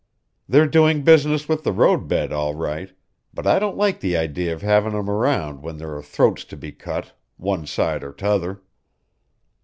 They're doing business with the road bed all right, but I don't like the idea of having 'em around when there are throats to be cut, one side or t'other."